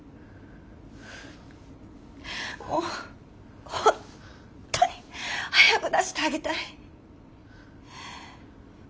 もう本当に早く出してあげたい。